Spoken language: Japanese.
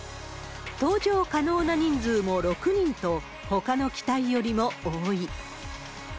搭乗可能な人数も６人と、ほかの機体よりも多い。